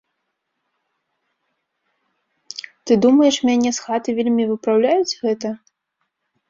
Ты думаеш, мяне з хаты вельмі выпраўляюць гэта?